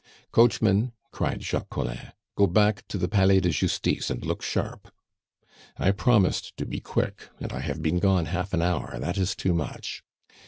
"Coachman," cried Jacques Collin, "go back to the Palais de Justice, and look sharp "I promised to be quick, and I have been gone half an hour; that is too much.